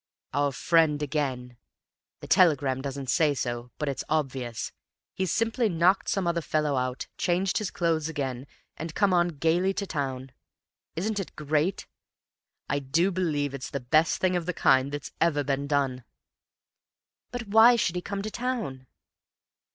Our friend again! The telegram doesn't say so, but it's obvious; he's simply knocked some other fellow out, changed clothes again, and come on gayly to town. Isn't it great? I do believe it's the best thing of the kind that's ever been done!" "But why should he come to town?"